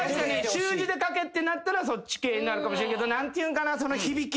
習字で書けってなったらそっち系になるかもしれんけど何ていうんかなその響き